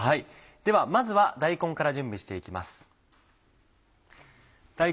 ではまずは大根から準備して行きます。